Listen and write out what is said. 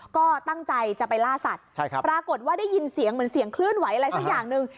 ก็ตั้งใจจะไปล่าสัตว์ปรากฏว่าได้ยินเสียงเหมือนเสียงเคลื่อนไหวอะไรสักอย่างหนึ่ง